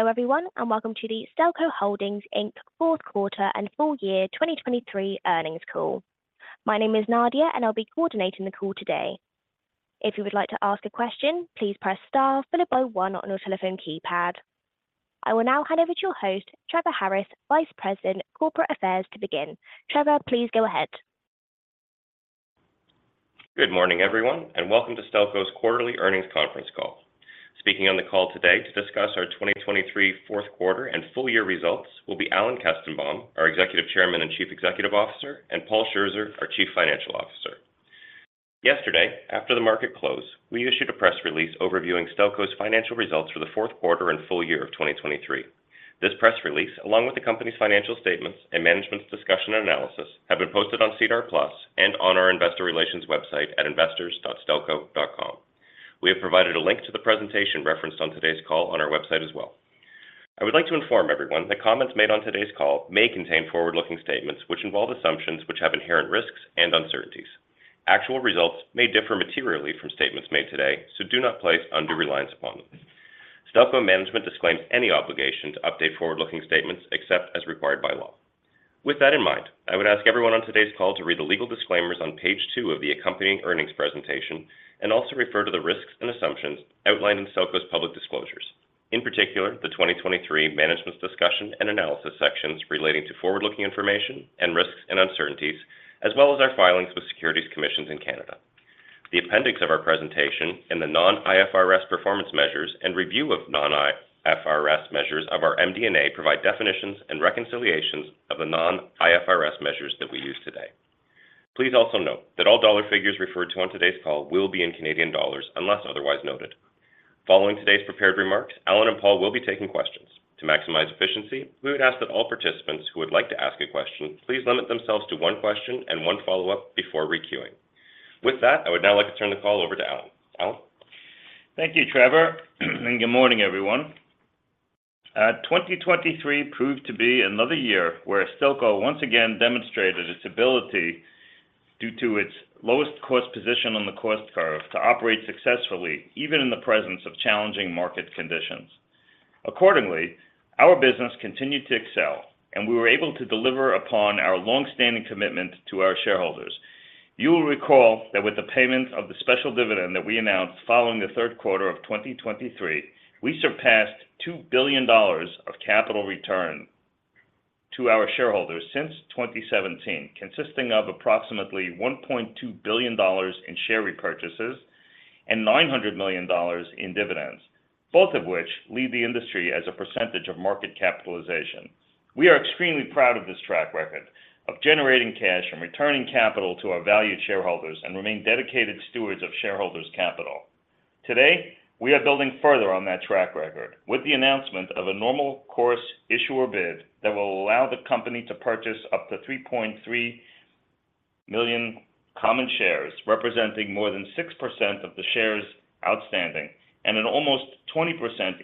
Hello everyone and welcome to the Stelco Holdings Inc. fourth quarter and full year 2023 earnings call. My name is Nadia and I'll be coordinating the call today. If you would like to ask a question, please press star followed by one on your telephone keypad. I will now hand over to your host, Trevor Harris, Vice President, Corporate Affairs, to begin. Trevor, please go ahead. Good morning everyone and welcome to Stelco's quarterly earnings conference call. Speaking on the call today to discuss our 2023 fourth quarter and full year results will be Alan Kestenbaum, our Executive Chairman and Chief Executive Officer, and Paul Scherzer, our Chief Financial Officer. Yesterday, after the market closed, we issued a press release overviewing Stelco's financial results for the fourth quarter and full year of 2023. This press release, along with the company's financial statements and management's discussion and analysis, have been posted on SEDAR+ and on our investor relations website at investors.stelco.com. We have provided a link to the presentation referenced on today's call on our website as well. I would like to inform everyone that comments made on today's call may contain forward-looking statements which involve assumptions which have inherent risks and uncertainties. Actual results may differ materially from statements made today, so do not place undue reliance upon them. Stelco management disclaims any obligation to update forward-looking statements except as required by law. With that in mind, I would ask everyone on today's call to read the legal disclaimers on page two of the accompanying earnings presentation and also refer to the risks and assumptions outlined in Stelco's public disclosures. In particular, the 2023 Management's Discussion and Analysis sections relating to forward-looking information and risks and uncertainties, as well as our filings with securities commissions in Canada. The appendix of our presentation and the non-IFRS performance measures and review of non-IFRS measures of our MD&A provide definitions and reconciliations of the non-IFRS measures that we use today. Please also note that all dollar figures referred to on today's call will be in Canadian dollars unless otherwise noted. Following today's prepared remarks, Alan and Paul will be taking questions. To maximize efficiency, we would ask that all participants who would like to ask a question please limit themselves to one question and one follow-up before re-queuing. With that, I would now like to turn the call over to Alan. Alan? Thank you, Trevor, and good morning everyone. 2023 proved to be another year where Stelco once again demonstrated its ability, due to its lowest cost position on the cost curve, to operate successfully even in the presence of challenging market conditions. Accordingly, our business continued to excel, and we were able to deliver upon our longstanding commitment to our shareholders. You will recall that with the payment of the special dividend that we announced following the third quarter of 2023, we surpassed 2 billion dollars of capital return to our shareholders since 2017, consisting of approximately 1.2 billion dollars in share repurchases and 900 million dollars in dividends, both of which lead the industry as a percentage of market capitalization. We are extremely proud of this track record of generating cash and returning capital to our valued shareholders and remain dedicated stewards of shareholders' capital. Today, we are building further on that track record with the announcement of a normal course issuer bid that will allow the company to purchase up to 3.3 million common shares representing more than 6% of the shares outstanding and an almost 20%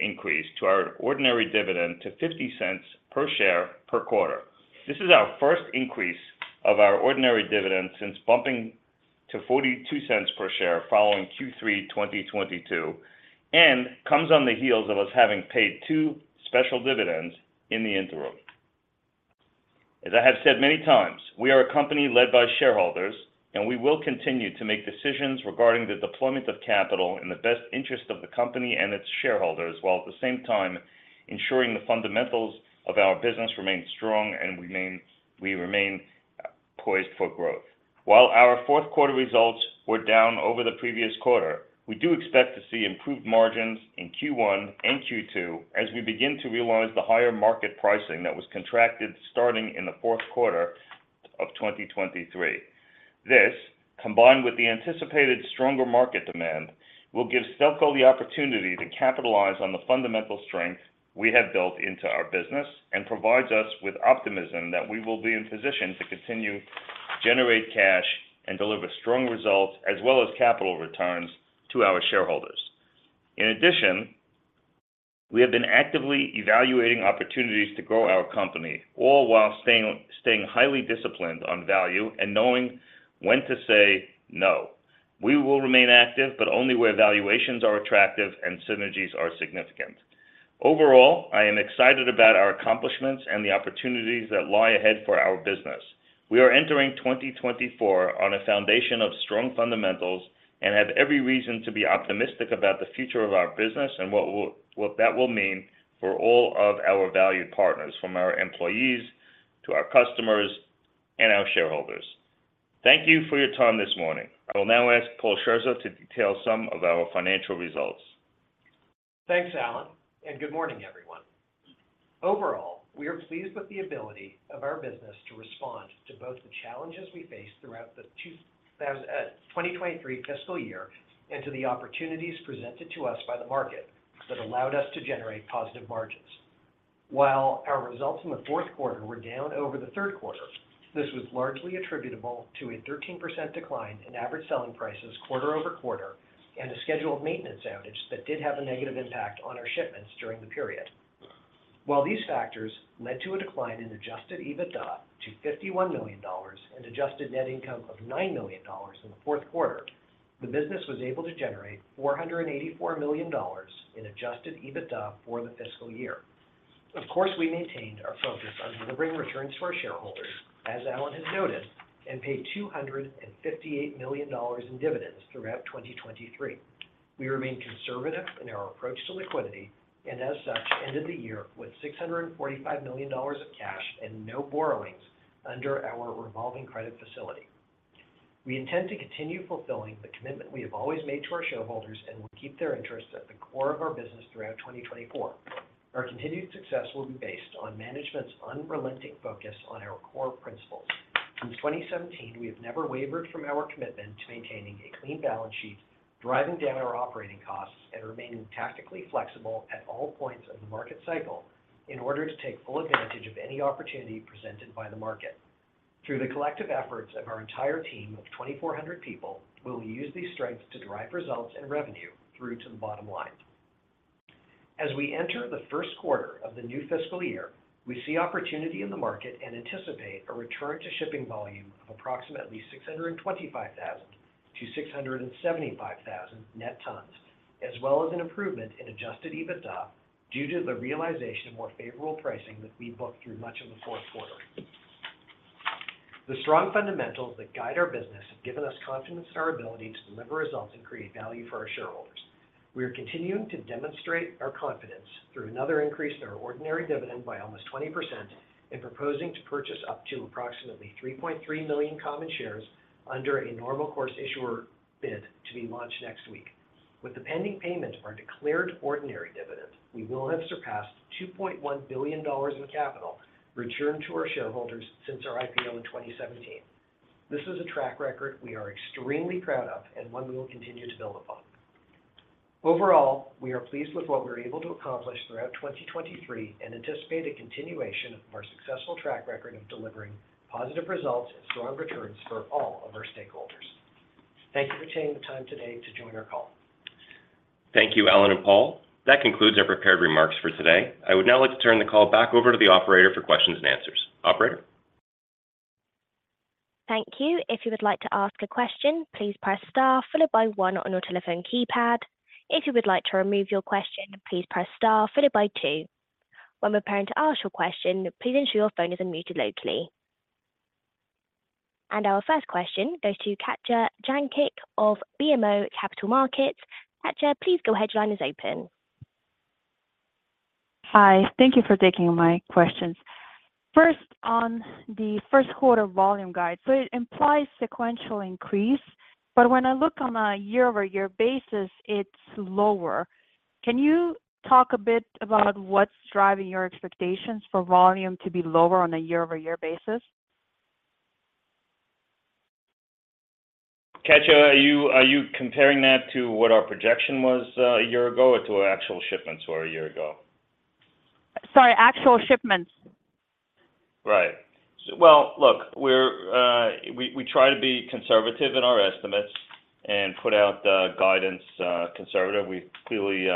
increase to our ordinary dividend to 0.50 per share per quarter. This is our first increase of our ordinary dividend since bumping to 0.42 per share following Q3 2022 and comes on the heels of us having paid two special dividends in the interim. As I have said many times, we are a company led by shareholders, and we will continue to make decisions regarding the deployment of capital in the best interest of the company and its shareholders while at the same time ensuring the fundamentals of our business remain strong and we remain poised for growth. While our fourth quarter results were down over the previous quarter, we do expect to see improved margins in Q1 and Q2 as we begin to realize the higher market pricing that was contracted starting in the fourth quarter of 2023. This, combined with the anticipated stronger market demand, will give Stelco the opportunity to capitalize on the fundamental strength we have built into our business and provides us with optimism that we will be in position to continue to generate cash and deliver strong results as well as capital returns to our shareholders. In addition, we have been actively evaluating opportunities to grow our company, all while staying highly disciplined on value and knowing when to say no. We will remain active but only where valuations are attractive and synergies are significant. Overall, I am excited about our accomplishments and the opportunities that lie ahead for our business. We are entering 2024 on a foundation of strong fundamentals and have every reason to be optimistic about the future of our business and what that will mean for all of our valued partners, from our employees to our customers and our shareholders. Thank you for your time this morning. I will now ask Paul Scherzer to detail some of our financial results. Thanks, Alan, and good morning everyone. Overall, we are pleased with the ability of our business to respond to both the challenges we faced throughout the 2023 fiscal year and to the opportunities presented to us by the market that allowed us to generate positive margins. While our results in the fourth quarter were down over the third quarter, this was largely attributable to a 13% decline in average selling prices quarter-over-quarter and a scheduled maintenance outage that did have a negative impact on our shipments during the period. While these factors led to a decline in adjusted EBITDA to 51 million dollars and adjusted net income of 9 million dollars in the fourth quarter, the business was able to generate 484 million dollars in adjusted EBITDA for the fiscal year. Of course, we maintained our focus on delivering returns to our shareholders, as Alan has noted, and paid 258 million dollars in dividends throughout 2023. We remained conservative in our approach to liquidity and, as such, ended the year with 645 million dollars of cash and no borrowings under our revolving credit facility. We intend to continue fulfilling the commitment we have always made to our shareholders and will keep their interests at the core of our business throughout 2024. Our continued success will be based on management's unrelenting focus on our core principles. Since 2017, we have never wavered from our commitment to maintaining a clean balance sheet, driving down our operating costs, and remaining tactically flexible at all points of the market cycle in order to take full advantage of any opportunity presented by the market. Through the collective efforts of our entire team of 2,400 people, we will use these strengths to drive results and revenue through to the bottom line. As we enter the first quarter of the new fiscal year, we see opportunity in the market and anticipate a return to shipping volume of approximately 625,000-675,000 net tons, as well as an improvement in adjusted EBITDA due to the realization of more favorable pricing that we booked through much of the fourth quarter. The strong fundamentals that guide our business have given us confidence in our ability to deliver results and create value for our shareholders. We are continuing to demonstrate our confidence through another increase to our ordinary dividend by almost 20% and proposing to purchase up to approximately 3.3 million common shares under a normal course issuer bid to be launched next week. With the pending payment of our declared ordinary dividend, we will have surpassed 2.1 billion dollars in capital returned to our shareholders since our IPO in 2017. This is a track record we are extremely proud of and one we will continue to build upon. Overall, we are pleased with what we were able to accomplish throughout 2023 and anticipate a continuation of our successful track record of delivering positive results and strong returns for all of our stakeholders. Thank you for taking the time today to join our call. Thank you, Alan and Paul. That concludes our prepared remarks for today. I would now like to turn the call back over to the operator for questions and answers. Operator? Thank you. If you would like to ask a question, please press star followed by one on your telephone keypad. If you would like to remove your question, please press star followed by two. When preparing to ask your question, please ensure your phone is unmuted locally. Our first question goes to Katja Jancic of BMO Capital Markets. Katja, please go ahead. Your line is open. Hi. Thank you for taking my questions. First, on the first quarter volume guide, so it implies sequential increase, but when I look on a year-over-year basis, it's lower. Can you talk a bit about what's driving your expectations for volume to be lower on a year-over-year basis? Katja, are you comparing that to what our projection was a year ago or to actual shipments were a year ago? Sorry, actual shipments. Right. Well, look, we try to be conservative in our estimates and put out guidance conservative. We clearly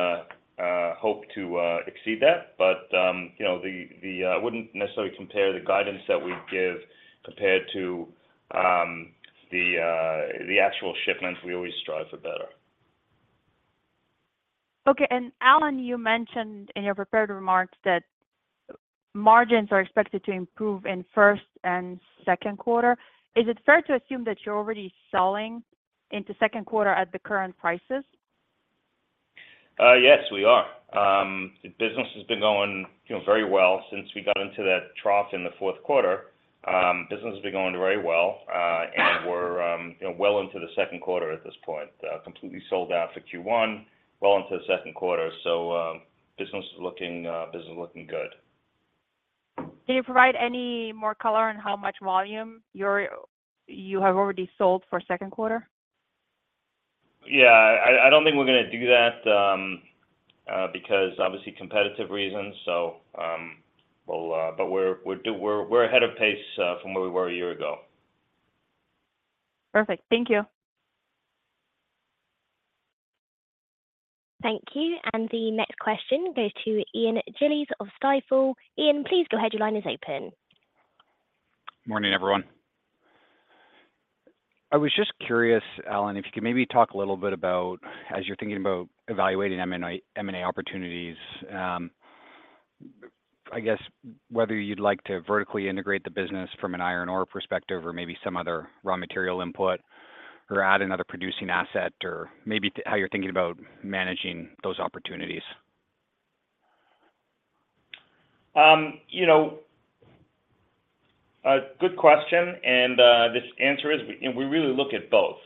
hope to exceed that, but I wouldn't necessarily compare the guidance that we give compared to the actual shipments. We always strive for better. Okay. Alan, you mentioned in your prepared remarks that margins are expected to improve in first and second quarter. Is it fair to assume that you're already selling into second quarter at the current prices? Yes, we are. The business has been going very well since we got into that trough in the fourth quarter. Business has been going very well, and we're well into the second quarter at this point. Completely sold out for Q1, well into the second quarter. Business is looking good. Can you provide any more color on how much volume you have already sold for second quarter? Yeah. I don't think we're going to do that because, obviously, competitive reasons. But we're ahead of pace from where we were a year ago. Perfect. Thank you. Thank you. The next question goes to Ian Gillies of Stifel. Ian, please go ahead. Your line is open. Morning, everyone. I was just curious, Alan, if you could maybe talk a little bit about, as you're thinking about evaluating M&A opportunities, I guess whether you'd like to vertically integrate the business from an iron ore perspective or maybe some other raw material input or add another producing asset or maybe how you're thinking about managing those opportunities? Good question. The answer is we really look at both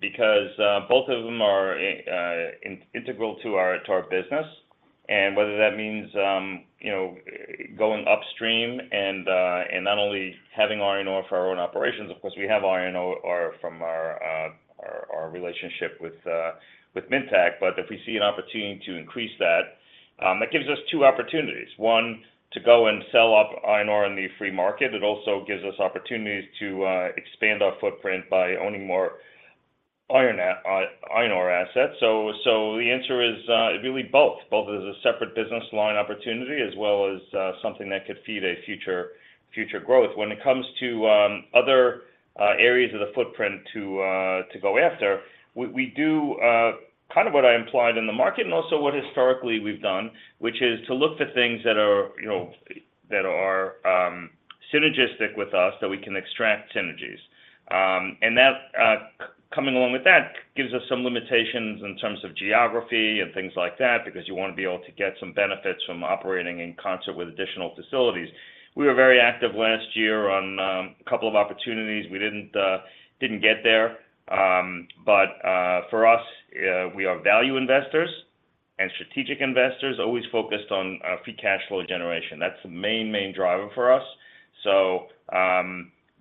because both of them are integral to our business. Whether that means going upstream and not only having iron ore for our own operations of course, we have iron ore from our relationship with Minntac, but if we see an opportunity to increase that, that gives us two opportunities. One, to go and sell up iron ore in the free market. It also gives us opportunities to expand our footprint by owning more iron ore assets. The answer is really both. Both as a separate business line opportunity as well as something that could feed a future growth. When it comes to other areas of the footprint to go after, we do kind of what I implied in the market and also what historically we've done, which is to look for things that are synergistic with us that we can extract synergies. And coming along with that gives us some limitations in terms of geography and things like that because you want to be able to get some benefits from operating in concert with additional facilities. We were very active last year on a couple of opportunities. We didn't get there. But for us, we are value investors and strategic investors always focused on free cash flow generation. That's the main, main driver for us.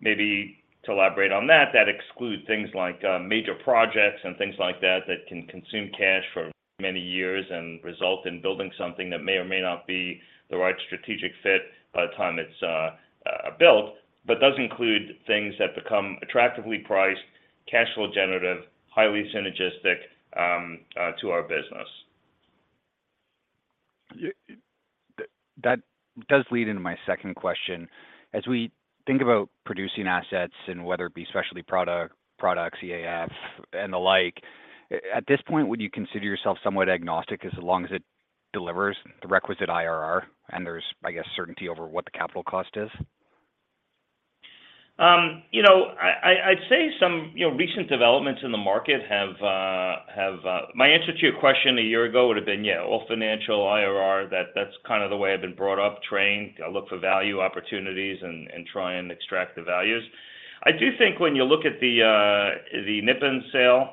Maybe to elaborate on that, that excludes things like major projects and things like that that can consume cash for many years and result in building something that may or may not be the right strategic fit by the time it's built, but does include things that become attractively priced, cash flow generative, highly synergistic to our business. That does lead into my second question. As we think about producing assets and whether it be specialty products, EAF, and the like, at this point, would you consider yourself somewhat agnostic as long as it delivers the requisite IRR and there's, I guess, certainty over what the capital cost is? I'd say some recent developments in the market have my answer to your question a year ago would have been, yeah, all financial IRR. That's kind of the way I've been brought up, trained. I look for value opportunities and try and extract the values. I do think when you look at the Nippon sale,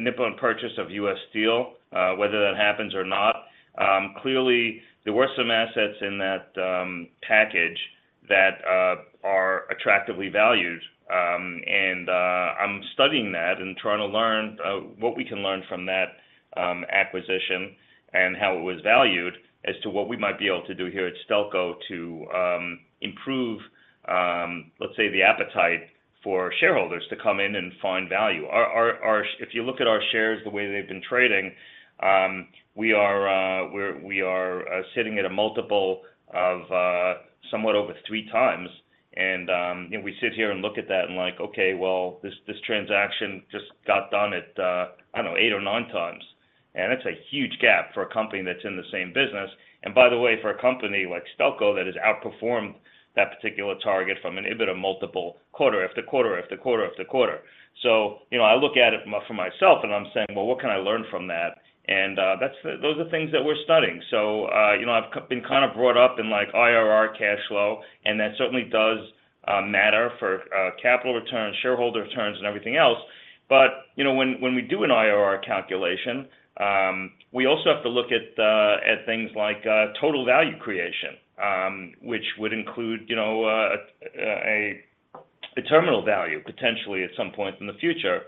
Nippon purchase of U.S. Steel, whether that happens or not, clearly, there were some assets in that package that are attractively valued. I'm studying that and trying to learn what we can learn from that acquisition and how it was valued as to what we might be able to do here at Stelco to improve, let's say, the appetite for shareholders to come in and find value. If you look at our shares the way they've been trading, we are sitting at a multiple of somewhat over 3x. We sit here and look at that and like, "Okay, well, this transaction just got done at, I don't know, 8x or 9x." And that's a huge gap for a company that's in the same business. And by the way, for a company like Stelco that has outperformed that particular target from an EBITDA multiple quarter after quarter after quarter after quarter. So I look at it for myself and I'm saying, "Well, what can I learn from that?" And those are things that we're studying. So I've been kind of brought up in IRR cash flow, and that certainly does matter for capital returns, shareholder returns, and everything else. But when we do an IRR calculation, we also have to look at things like total value creation, which would include a terminal value, potentially, at some point in the future.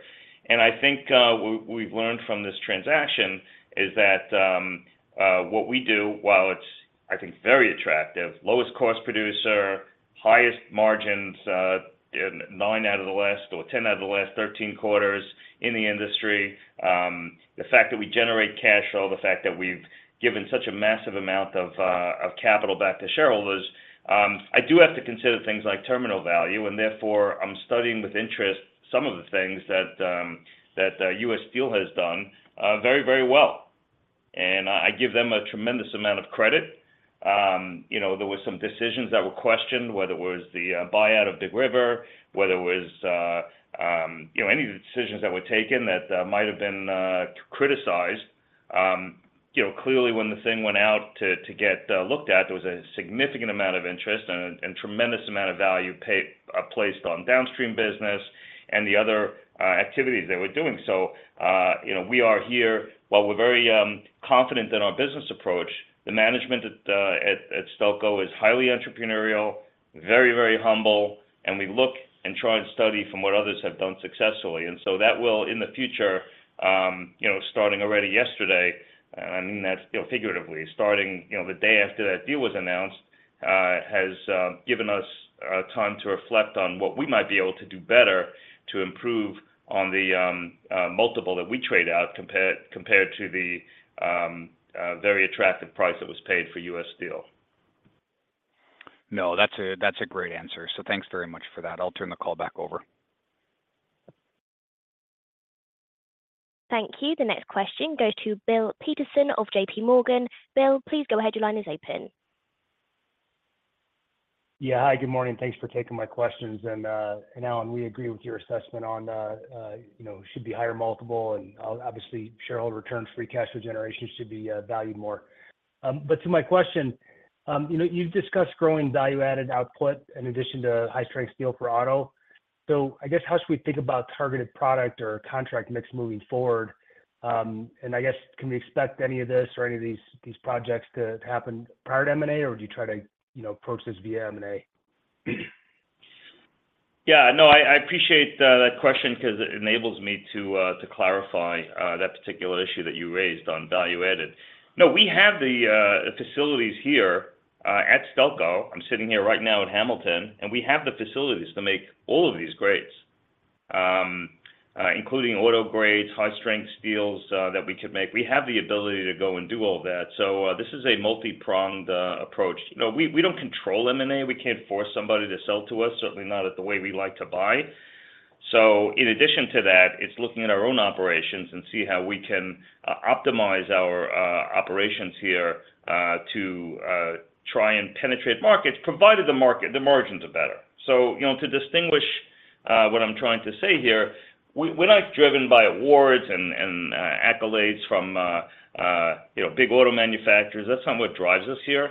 I think what we've learned from this transaction is that what we do, while it's, I think, very attractive, lowest cost producer, highest margins, nine out of the last or 10 out of the last 13 quarters in the industry, the fact that we generate cash flow, the fact that we've given such a massive amount of capital back to shareholders, I do have to consider things like terminal value. Therefore, I'm studying with interest some of the things that U.S. Steel has done very, very well. I give them a tremendous amount of credit. There were some decisions that were questioned, whether it was the buyout of Big River, whether it was any of the decisions that were taken that might have been criticized. Clearly, when the thing went out to get looked at, there was a significant amount of interest and a tremendous amount of value placed on downstream business and the other activities they were doing. So we are here, while we're very confident in our business approach. The management at Stelco is highly entrepreneurial, very, very humble, and we look and try and study from what others have done successfully. And so that will, in the future, starting already yesterday and I mean that figuratively, starting the day after that deal was announced, has given us time to reflect on what we might be able to do better to improve on the multiple that we trade out compared to the very attractive price that was paid for U.S. Steel. No, that's a great answer. So thanks very much for that. I'll turn the call back over. Thank you. The next question goes to Bill Peterson of JPMorgan. Bill, please go ahead. Your line is open. Yeah. Hi. Good morning. Thanks for taking my questions. Alan, we agree with your assessment on should be higher multiple, and obviously, shareholder returns, free cash flow generation should be valued more. To my question, you've discussed growing value-added output in addition to high-strength steel for auto. I guess how should we think about targeted product or contract mix moving forward? And I guess, can we expect any of this or any of these projects to happen prior to M&A, or do you try to approach this via M&A? Yeah. No, I appreciate that question because it enables me to clarify that particular issue that you raised on value-added. No, we have the facilities here at Stelco. I'm sitting here right now at Hamilton, and we have the facilities to make all of these grades, including auto grades, high-strength steels that we could make. We have the ability to go and do all that. So this is a multi-pronged approach. We don't control M&A. We can't force somebody to sell to us, certainly not the way we like to buy. So in addition to that, it's looking at our own operations and see how we can optimize our operations here to try and penetrate markets, provided the margins are better. So to distinguish what I'm trying to say here, we're not driven by awards and accolades from big auto manufacturers. That's not what drives us here.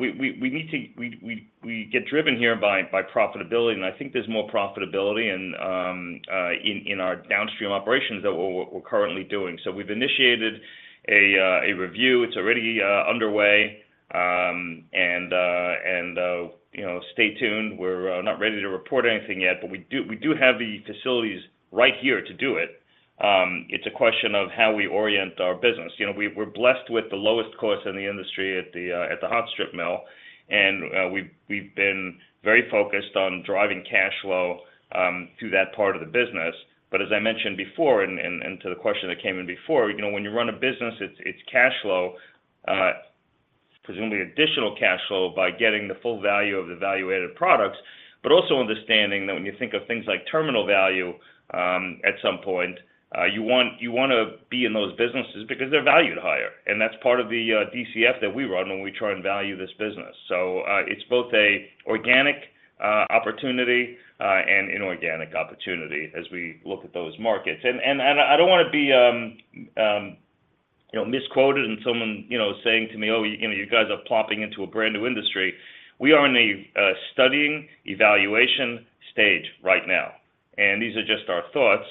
We need to get driven here by profitability. I think there's more profitability in our downstream operations that we're currently doing. We've initiated a review. It's already underway. Stay tuned. We're not ready to report anything yet, but we do have the facilities right here to do it. It's a question of how we orient our business. We're blessed with the lowest cost in the industry at the hot strip mill. We've been very focused on driving cash flow through that part of the business. But as I mentioned before and to the question that came in before, when you run a business, it's cash flow, presumably additional cash flow by getting the full value of the value-added products, but also understanding that when you think of things like terminal value at some point, you want to be in those businesses because they're valued higher. That's part of the DCF that we run when we try and value this business. It's both an organic opportunity and inorganic opportunity as we look at those markets. I don't want to be misquoted and someone saying to me, "Oh, you guys are plopping into a brand new industry." We are in a studying, evaluation stage right now. These are just our thoughts.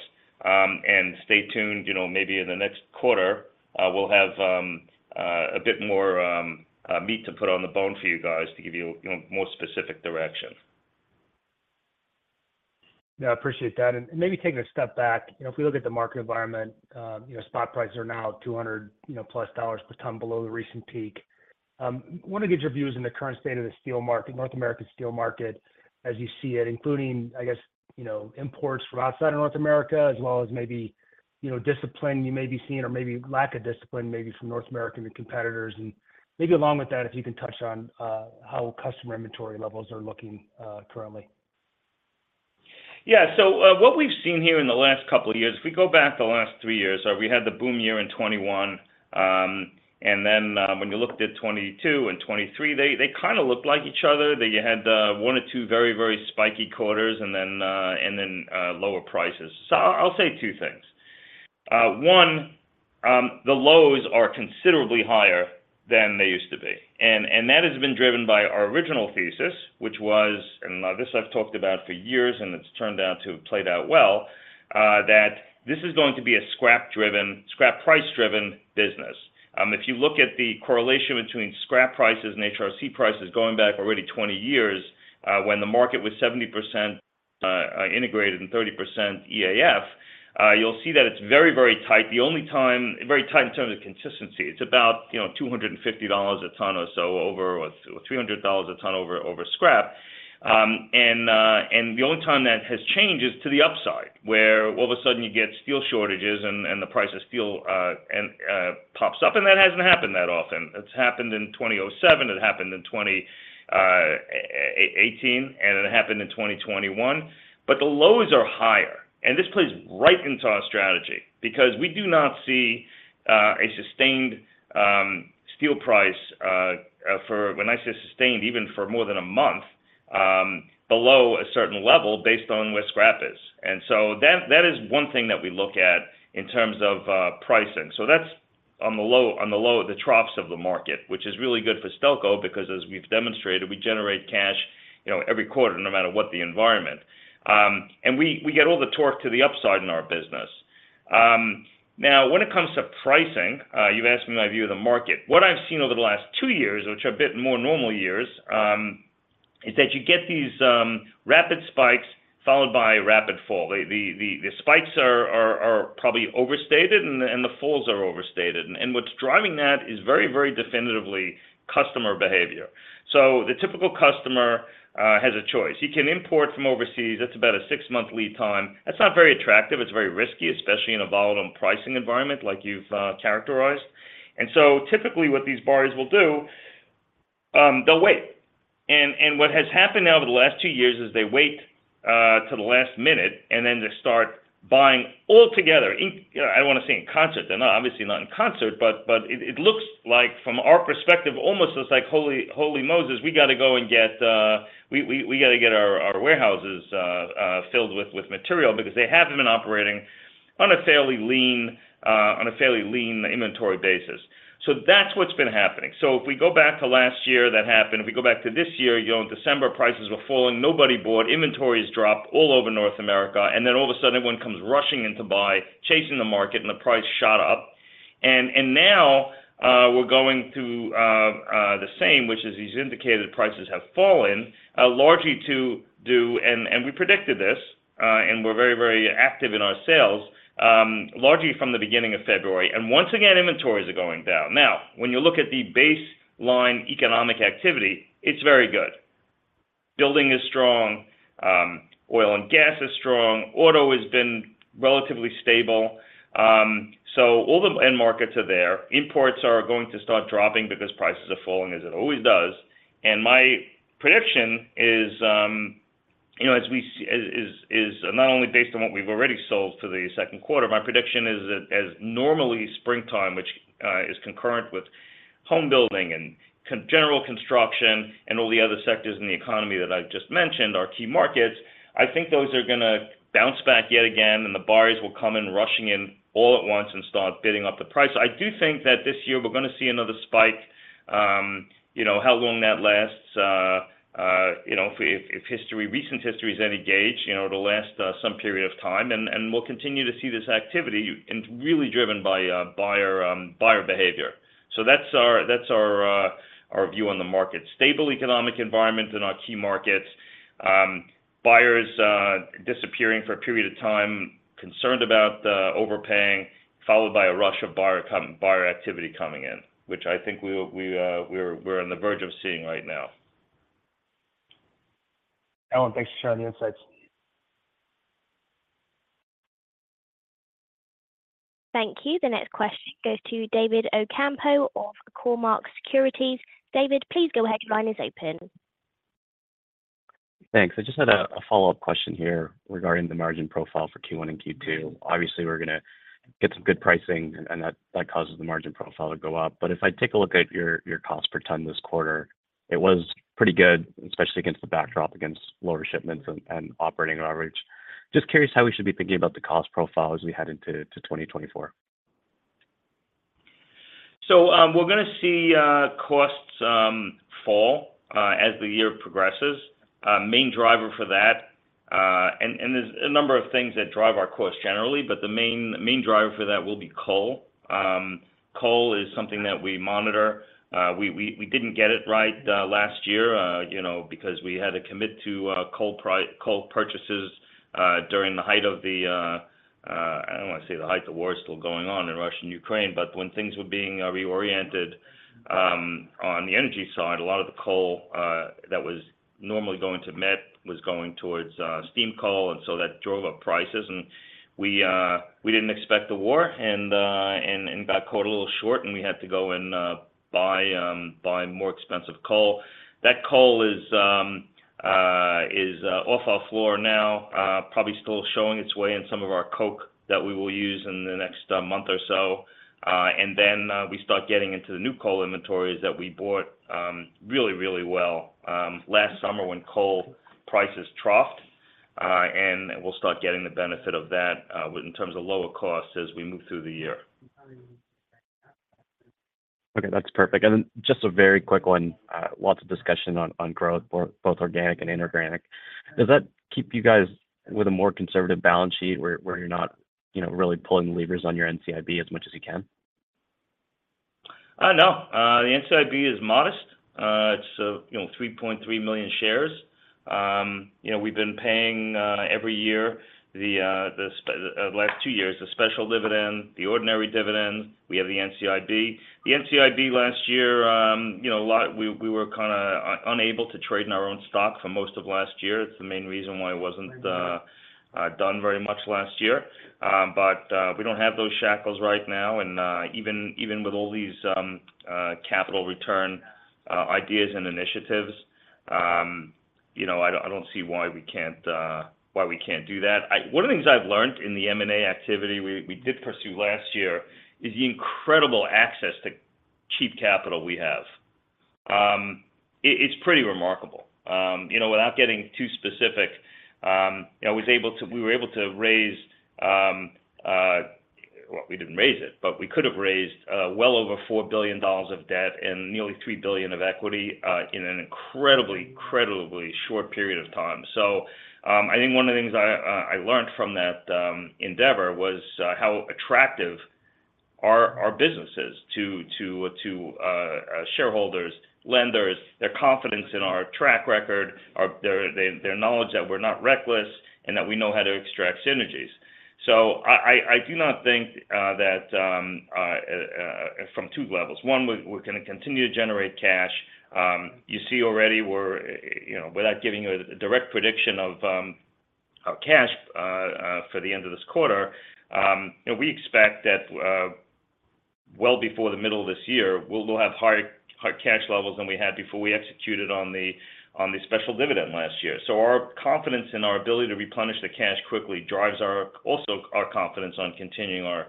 Stay tuned. Maybe in the next quarter, we'll have a bit more meat to put on the bone for you guys to give you more specific direction. Yeah. I appreciate that. And maybe taking a step back, if we look at the market environment, spot prices are now 200+ per ton below the recent peak. I want to get your views on the current state of the steel market, North American steel market, as you see it, including, I guess, imports from outside of North America as well as maybe discipline you may be seeing or maybe lack of discipline maybe from North American competitors. And maybe along with that, if you can touch on how customer inventory levels are looking currently. Yeah. So what we've seen here in the last couple of years if we go back the last three years, we had the boom year in 2021. And then when you looked at 2022 and 2023, they kind of looked like each other. You had one or two very, very spiky quarters and then lower prices. So I'll say two things. One, the lows are considerably higher than they used to be. And that has been driven by our original thesis, which was and now this I've talked about for years, and it's turned out to have played out well, that this is going to be a scrap price-driven business. If you look at the correlation between scrap prices and HRC prices going back already 20 years, when the market was 70% integrated and 30% EAF, you'll see that it's very, very tight. The only time very tight in terms of consistency. It's about 250 dollars a ton or so over or 300 dollars a ton over scrap. The only time that has changed is to the upside where all of a sudden, you get steel shortages and the price of steel pops up. That hasn't happened that often. It's happened in 2007. It happened in 2018. It happened in 2021. But the lows are higher. This plays right into our strategy because we do not see a sustained steel price for when I say sustained, even for more than a month, below a certain level based on where scrap is. That is one thing that we look at in terms of pricing. So that's on the low, the troughs of the market, which is really good for Stelco because, as we've demonstrated, we generate cash every quarter no matter what the environment. We get all the torque to the upside in our business. Now, when it comes to pricing, you've asked me my view of the market. What I've seen over the last two years, which are a bit more normal years, is that you get these rapid spikes followed by rapid fall. The spikes are probably overstated, and the falls are overstated. What's driving that is very, very definitively customer behavior. The typical customer has a choice. He can import from overseas. That's about a six-month lead time. That's not very attractive. It's very risky, especially in a volatile pricing environment like you've characterized. Typically, what these buyers will do, they'll wait. What has happened now over the last two years is they wait to the last minute, and then they start buying altogether. I don't want to say in concert. They're obviously not in concert, but it looks like, from our perspective, almost looks like Holy Moses, "We got to go and get our warehouses filled with material because they haven't been operating on a fairly lean inventory basis." So that's what's been happening. So if we go back to last year that happened, if we go back to this year, in December, prices were falling. Nobody bought. Inventories dropped all over North America. Then all of a sudden, everyone comes rushing in to buy, chasing the market, and the price shot up. And now, we're going through the same, which is these indicated prices have fallen, largely to do and we predicted this, and we're very, very active in our sales, largely from the beginning of February. Once again, inventories are going down. Now, when you look at the baseline economic activity, it's very good. Building is strong. Oil and gas is strong. Auto has been relatively stable. So all the end markets are there. Imports are going to start dropping because prices are falling as it always does. My prediction is as we see is not only based on what we've already sold for the second quarter. My prediction is that, as normally, springtime, which is concurrent with homebuilding and general construction and all the other sectors in the economy that I just mentioned, our key markets, I think those are going to bounce back yet again, and the buyers will come in rushing in all at once and start bidding up the price. I do think that this year, we're going to see another spike. How long that lasts? If history, recent history, is any gauge, the last some period of time. We'll continue to see this activity, really driven by buyer behavior. So that's our view on the market: Stable economic environment in our key markets, buyers disappearing for a period of time, concerned about overpaying, followed by a rush of buyer activity coming in, which I think we're on the verge of seeing right now. Alan, thanks for sharing the insights. Thank you. The next question goes to David Ocampo of Cormark Securities. David, please go ahead. Your line is open. Thanks. I just had a follow-up question here regarding the margin profile for Q1 and Q2. Obviously, we're going to get some good pricing, and that causes the margin profile to go up. But if I take a look at your cost per ton this quarter, it was pretty good, especially against the backdrop against lower shipments and operating average. Just curious how we should be thinking about the cost profile as we head into 2024? We're going to see costs fall as the year progresses. Main driver for that, and there's a number of things that drive our costs generally, but the main driver for that will be coal. Coal is something that we monitor. We didn't get it right last year because we had to commit to coal purchases during the height of the—I don't want to say the height. The war is still going on in Russia and Ukraine. But when things were being reoriented on the energy side, a lot of the coal that was normally going to met was going towards steam coal. And so that drove up prices. And we didn't expect the war and got caught a little short, and we had to go and buy more expensive coal. That coal is off our floor now, probably still showing its way in some of our coke that we will use in the next month or so. And then we start getting into the new coal inventories that we bought really, really well last summer when coal prices troughed. And we'll start getting the benefit of that in terms of lower costs as we move through the year. Okay. That's perfect. And then just a very quick one, lots of discussion on growth, both organic and inorganic. Does that keep you guys with a more conservative balance sheet where you're not really pulling the levers on your NCIB as much as you can? No. The NCIB is modest. It's 3.3 million shares. We've been paying every year the last two years, the special dividend, the ordinary dividend. We have the NCIB. The NCIB last year, a lot we were kind of unable to trade in our own stock for most of last year. It's the main reason why it wasn't done very much last year. But we don't have those shackles right now. And even with all these capital return ideas and initiatives, I don't see why we can't do that. One of the things I've learned in the M&A activity we did pursue last year is the incredible access to cheap capital we have. It's pretty remarkable. Without getting too specific, we were able to raise well, we didn't raise it, but we could have raised well over 4 billion dollars of debt and nearly 3 billion of equity in an incredibly, incredibly short period of time. So I think one of the things I learned from that endeavor was how attractive our business is to shareholders, lenders, their confidence in our track record, their knowledge that we're not reckless and that we know how to extract synergies. So I do not think that from two levels, one, we're going to continue to generate cash. You see already we're without giving you a direct prediction of cash for the end of this quarter, we expect that well before the middle of this year, we'll have higher cash levels than we had before we executed on the special dividend last year. Our confidence in our ability to replenish the cash quickly drives also our confidence on continuing our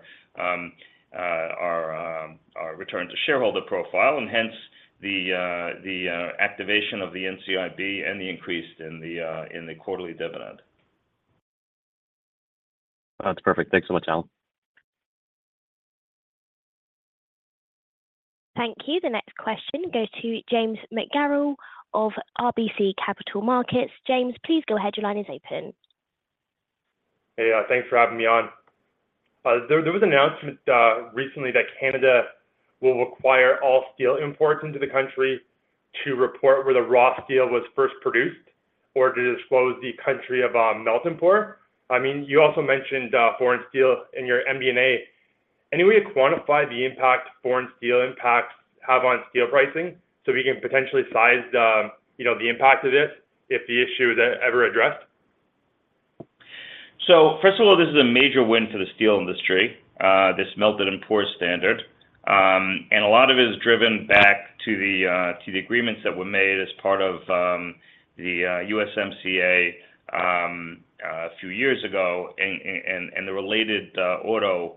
return to shareholder profile and hence the activation of the NCIB and the increase in the quarterly dividend. That's perfect. Thanks so much, Alan. Thank you. The next question goes to James McGarragle of RBC Capital Markets. James, please go ahead. Your line is open. Hey. Thanks for having me on. There was an announcement recently that Canada will require all steel imports into the country to report where the raw steel was first produced or to disclose the country of melt and pour. I mean, you also mentioned foreign steel in your MD&A. Any way to quantify the impact foreign steel impacts have on steel pricing so we can potentially size the impact of this if the issue is ever addressed? So first of all, this is a major win for the steel industry, this melted and poured standard. A lot of it is driven back to the agreements that were made as part of the USMCA a few years ago and the related auto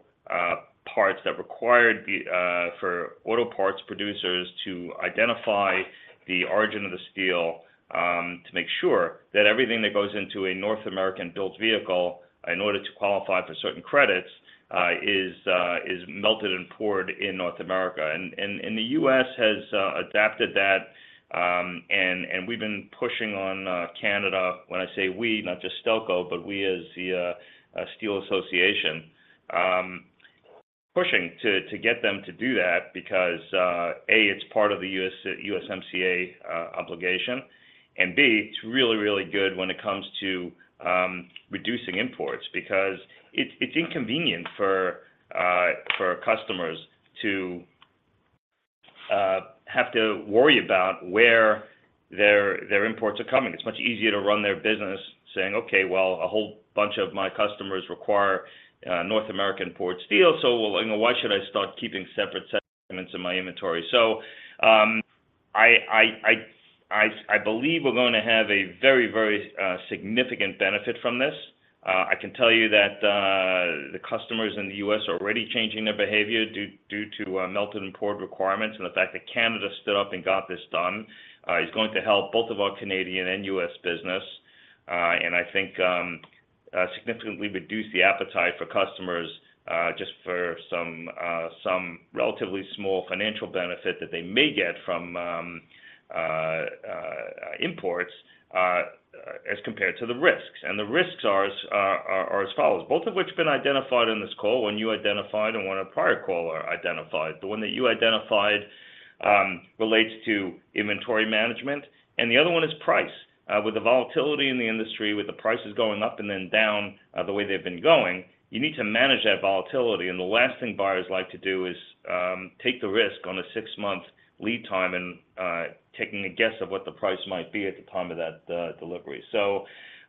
parts that required for auto parts producers to identify the origin of the steel to make sure that everything that goes into a North American-built vehicle in order to qualify for certain credits is melted and poured in North America. And the U.S. has adapted that. And we've been pushing on Canada when I say we, not just Stelco, but we as the steel association, pushing to get them to do that because, A, it's part of the USMCA obligation. And B, it's really, really good when it comes to reducing imports because it's inconvenient for customers to have to worry about where their imports are coming. It's much easier to run their business saying, "Okay. Well, a whole bunch of my customers require North American poured steel. So why should I start keeping separate segments in my inventory?" So I believe we're going to have a very, very significant benefit from this. I can tell you that the customers in the U.S. are already changing their behavior due to melted and poured requirements and the fact that Canada stood up and got this done. It's going to help both of our Canadian and U.S. business and I think significantly reduce the appetite for customers just for some relatively small financial benefit that they may get from imports as compared to the risks. The risks are as follows, both of which have been identified in this call, one you identified and one a prior caller identified. The one that you identified relates to inventory management. And the other one is price. With the volatility in the industry, with the prices going up and then down the way they've been going, you need to manage that volatility. And the last thing buyers like to do is take the risk on a six-month lead time and taking a guess of what the price might be at the time of that delivery. So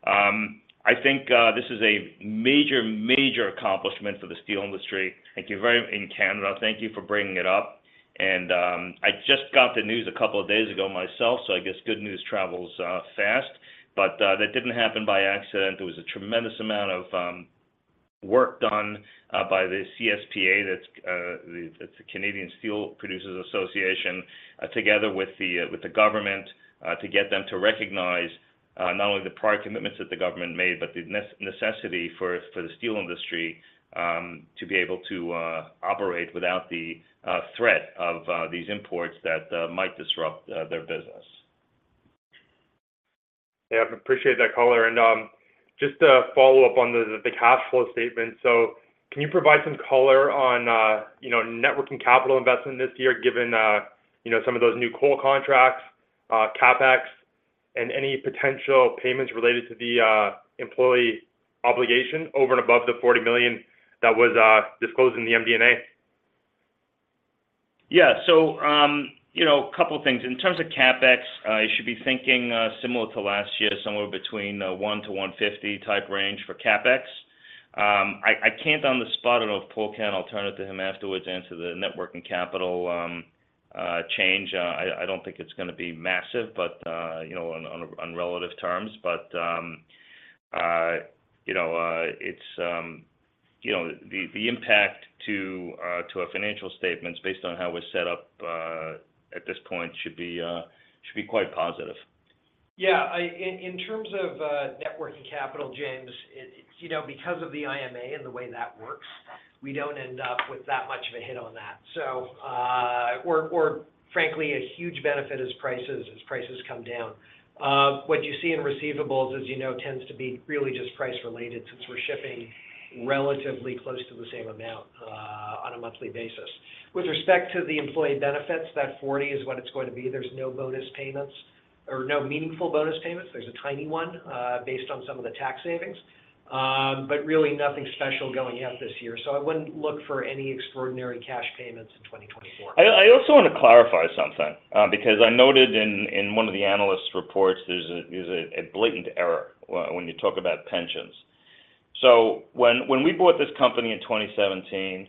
I think this is a major, major accomplishment for the steel industry. Thank you very much in Canada. Thank you for bringing it up. And I just got the news a couple of days ago myself, so I guess good news travels fast. But that didn't happen by accident. There was a tremendous amount of work done by the CSPA, that's the Canadian Steel Producers Association, together with the government to get them to recognize not only the prior commitments that the government made, but the necessity for the steel industry to be able to operate without the threat of these imports that might disrupt their business. Yeah. I appreciate that, caller. And just to follow up on the cash flow statement, so can you provide some color on net working capital investment this year given some of those new coil contracts, CapEx, and any potential payments related to the employee obligation over and above the 40 million that was disclosed in the MD&A? Yeah. A couple of things. In terms of CapEx, you should be thinking similar to last year, somewhere between 1-150 type range for CapEx. I can't on the spot—I don't know if Paul can; I'll turn it to him afterwards—answer the networking capital change. I don't think it's going to be massive on relative terms. It's the impact to our financial statements based on how we're set up at this point should be quite positive. Yeah. In terms of working capital, James, because of the IMA and the way that works, we don't end up with that much of a hit on that. Or frankly, a huge benefit is prices come down. What you see in receivables, as you know, tends to be really just price-related since we're shipping relatively close to the same amount on a monthly basis. With respect to the employee benefits, that 40 is what it's going to be. There's no bonus payments or no meaningful bonus payments. There's a tiny one based on some of the tax savings, but really nothing special going out this year. So I wouldn't look for any extraordinary cash payments in 2024. I also want to clarify something because I noted in one of the analysts' reports, there's a blatant error when you talk about pensions. So when we bought this company in 2017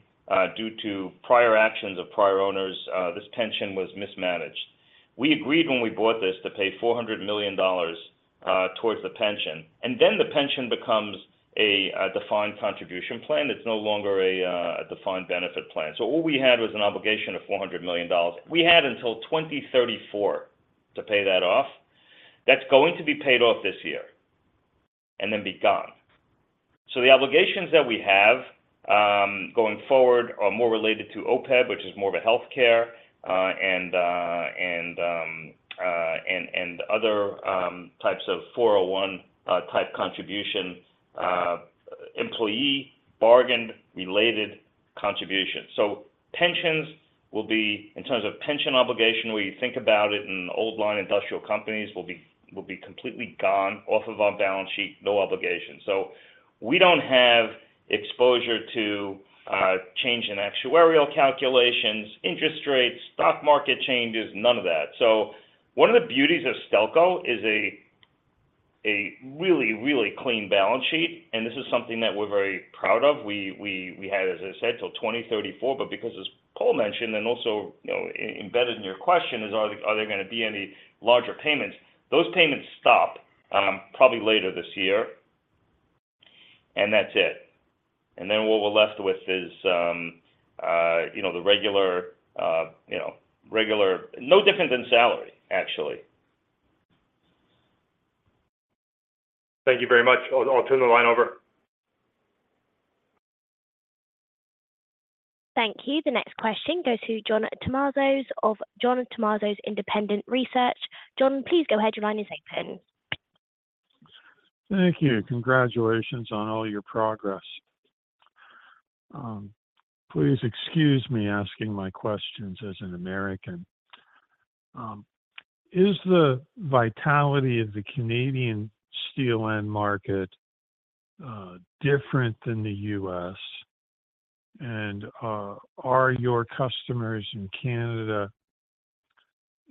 due to prior actions of prior owners, this pension was mismanaged. We agreed when we bought this to pay 400 million dollars towards the pension. And then the pension becomes a defined contribution plan. It's no longer a defined benefit plan. So all we had was an obligation of 400 million dollars. We had until 2034 to pay that off. That's going to be paid off this year and then be gone. So the obligations that we have going forward are more related to OPEB, which is more of a healthcare, and other types of 401(k) type contribution, employee bargained related contributions. So pensions will be in terms of pension obligation, where you think about it in old line industrial companies, will be completely gone off of our balance sheet. No obligations. So we don't have exposure to change in actuarial calculations, interest rates, stock market changes, none of that. So one of the beauties of Stelco is a really, really clean balance sheet. And this is something that we're very proud of. We had, as I said, till 2034. But because, as Paul mentioned and also embedded in your question is, are there going to be any larger payments, those payments stop probably later this year. And that's it. And then what we're left with is the regular no different than salary, actually. Thank you very much. I'll turn the line over. Thank you. The next question goes to John Tumazos of Independent Research. John, please go ahead. Your line is open. Thank you. Congratulations on all your progress. Please excuse me asking my questions as an American. Is the vitality of the Canadian steel end market different than the U.S.? And are your customers in Canada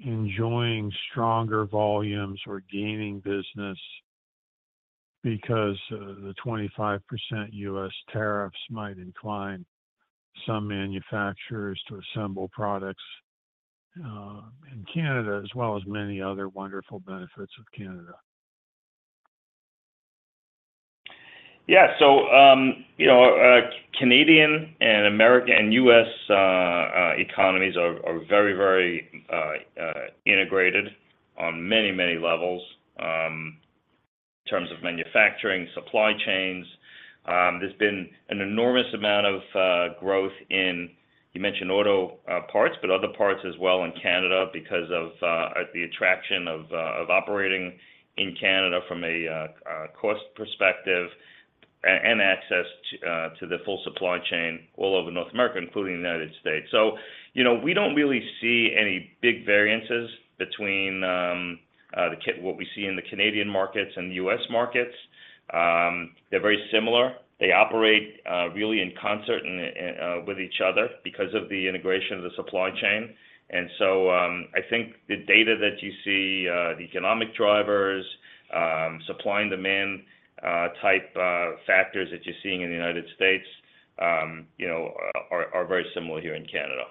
enjoying stronger volumes or gaining business because the 25% U.S. tariffs might incline some manufacturers to assemble products in Canada as well as many other wonderful benefits of Canada? Yeah. So Canadian and American and U.S. economies are very, very integrated on many, many levels in terms of manufacturing, supply chains. There's been an enormous amount of growth in you mentioned auto parts, but other parts as well in Canada because of the attraction of operating in Canada from a cost perspective and access to the full supply chain all over North America, including the United States. So we don't really see any big variances between what we see in the Canadian markets and the U.S. markets. They're very similar. They operate really in concert with each other because of the integration of the supply chain. And so I think the data that you see, the economic drivers, supply and demand type factors that you're seeing in the United States are very similar here in Canada.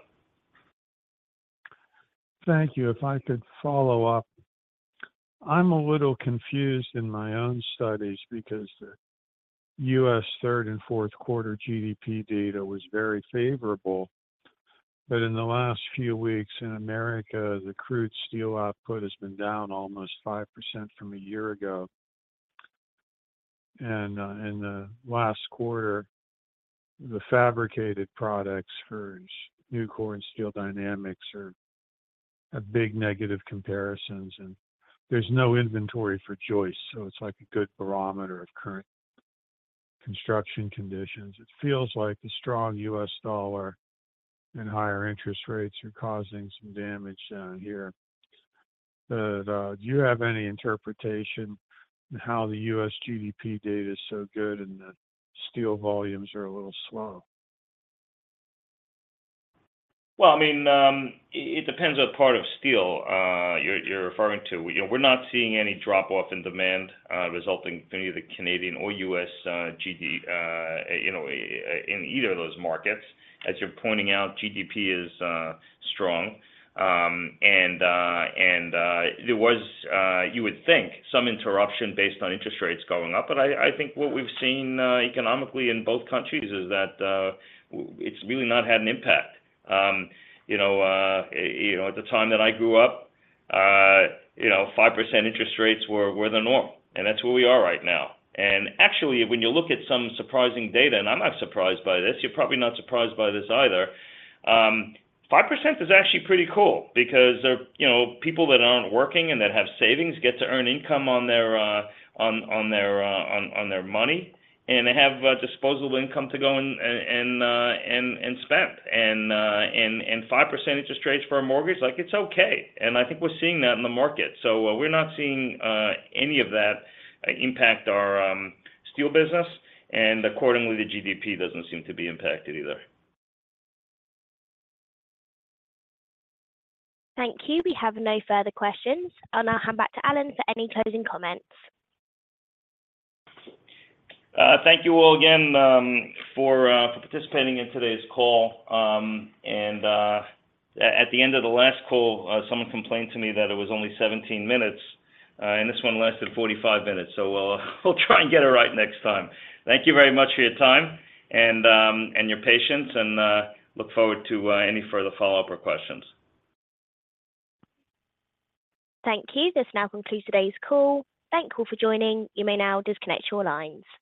Thank you. If I could follow up, I'm a little confused in my own studies because the U.S. third and fourth quarter GDP data was very favorable. But in the last few weeks in America, the crude steel output has been down almost 5% from a year ago. And in the last quarter, the fabricated products for Nucor and Steel Dynamics are big negative comparisons. And there's no inventory for choice. So it's like a good barometer of current construction conditions. It feels like the strong U.S. dollar and higher interest rates are causing some damage down here. But do you have any interpretation on how the U.S. GDP data is so good and the steel volumes are a little slow? Well, I mean, it depends on the part of steel you're referring to. We're not seeing any drop-off in demand resulting from any of the Canadian or U.S. in either of those markets. As you're pointing out, GDP is strong. And there was, you would think, some interruption based on interest rates going up. But I think what we've seen economically in both countries is that it's really not had an impact. At the time that I grew up, 5% interest rates were the norm. And that's where we are right now. And actually, when you look at some surprising data - and I'm not surprised by this. You're probably not surprised by this either - 5% is actually pretty cool because people that aren't working and that have savings get to earn income on their money. And they have disposable income to go and spend. 5% interest rates for a mortgage, it's okay. I think we're seeing that in the market. We're not seeing any of that impact our steel business. Accordingly, the GDP doesn't seem to be impacted either. Thank you. We have no further questions. I'll hand back to Alan for any closing comments. Thank you all again for participating in today's call. At the end of the last call, someone complained to me that it was only 17 minutes. This one lasted 45 minutes. We'll try and get it right next time. Thank you very much for your time and your patience. Look forward to any further follow-up or questions. Thank you. This now concludes today's call. Thank you all for joining. You may now disconnect your lines.